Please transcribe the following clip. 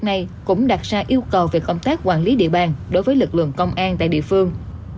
này cũng đặt ra yêu cầu về công tác quản lý địa bàn đối với lực lượng công an tại địa phương